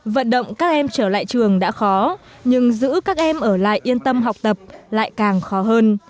vận động các em trở lại trường đã khó nhưng giữ các em ở lại yên tâm học tập lại càng khó hơn